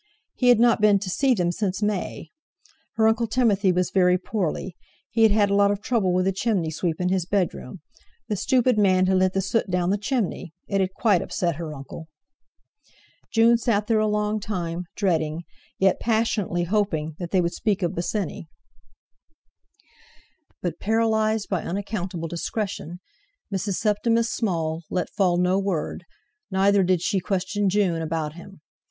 He had not been to see them since May. Her Uncle Timothy was very poorly, he had had a lot of trouble with the chimney sweep in his bedroom; the stupid man had let the soot down the chimney! It had quite upset her uncle. June sat there a long time, dreading, yet passionately hoping, that they would speak of Bosinney. But paralyzed by unaccountable discretion, Mrs. Septimus Small let fall no word, neither did she question June about him.